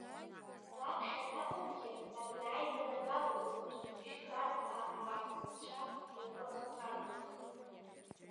Раԥхьаӡакәынгьы ари аизара даладырхәт жьгарҭаа раамсҭцәа дуқәа рхаҭарнакгьы.